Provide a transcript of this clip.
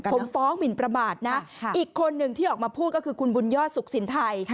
ผมฟ้องหมินประมาทนะอีกคนหนึ่งที่ออกมาพูดก็คือคุณบุญยอดสุขสินไทย